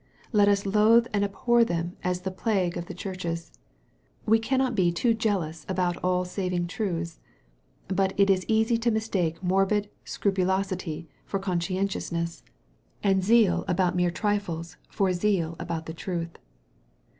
Let us loathe and abhor them as the plague of the churches. We cannot be too jealous about all saving truths. But it is easy to mistake morbid scrupulosity for conscientiousness, MARK, CHAP. III. 55 and zeal about mere trifles for zeal about the truth.